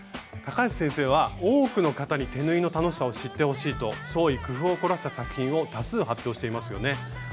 高橋先生は多くの方に手縫いの楽しさを知ってほしいと創意工夫を凝らした作品を多数発表していますよね。